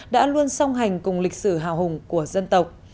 đã luôn song hành cùng lịch sử hào hùng của dân tộc